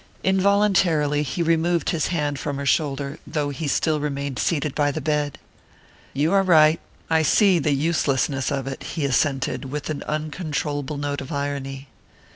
Involuntarily he removed his hand from her shoulder, though he still remained seated by the bed. "You are right. I see the uselessness of it," he assented, with an uncontrollable note of irony.